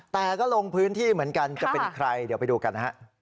แต่ก็ลงพื้นที่เหมือนกันจะเป็นใครเดี๋ยวไปดูกันนะฮะ